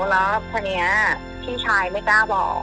แล้วพอนี้พี่ชายไม่กล้าบอก